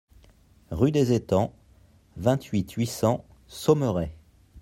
Rue des Etangs, vingt-huit, huit cents Saumeray